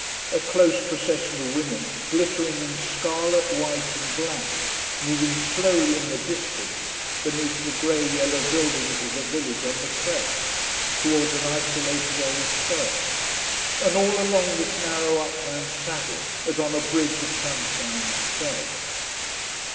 A close procession of women glittering in scarlet, white and black, moving slowly in the distance beneath the grey yellow buildings of the village on the crest, towards an isolated old church: and all along this narrow upland saddle as on a bridge of sunshine itself.